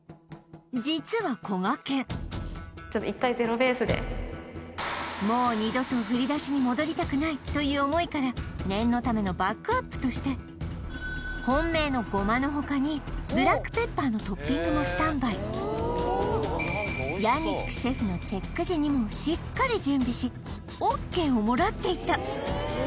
実はこがけん１回もうという思いから念のためのバックアップとして本命の胡麻のほかにブラックペッパーのトッピングもスタンバイヤニックシェフのチェック時にもしっかり準備しＯＫをもらっていた